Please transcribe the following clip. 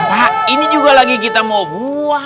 apa ini juga lagi kita mau buang